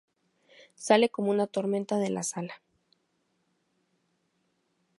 Sale como una tormenta de la sala.